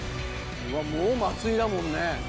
もう松井だもんね。